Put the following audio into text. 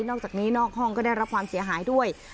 อกจากนี้นอกห้องก็ได้รับความเสียหายด้วย